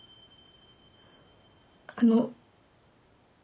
あの。